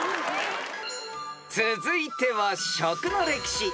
［続いては食の歴史］